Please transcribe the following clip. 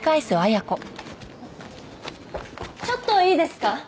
ちょっといいですか？